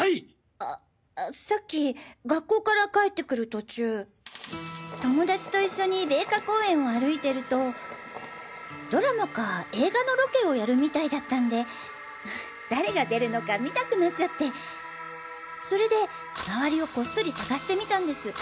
あさっき学校から帰ってくる途中友達と一緒に米花公園を歩いてるとドラマか映画のロケをやるみたいだったんで誰が出るのか見たくなっちゃってそれで周りをコッソリ探してみたんです。